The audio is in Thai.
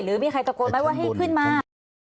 มีใครตะโกนไหมว่าให้ขึ้นมา